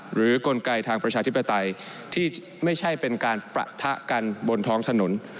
กลไกทางประชาธิปไตยที่ไม่ใช่เป็นการปะทะกันบนท้องถนน